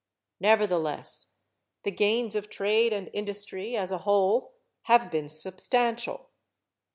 Nevertheless the gains of trade and industry, as a whole, have been substantial.